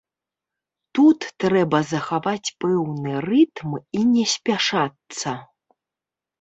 Тут трэба захаваць пэўны рытм і не спяшацца.